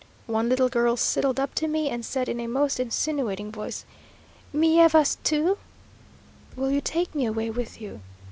One little girl sidled up to me, and said in a most insinuating voice, "Me llevas tu?" "Will you take me away with you?"